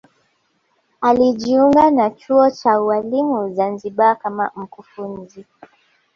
alijiunga na chuo cha ualimu zanzibar kama mkufunzi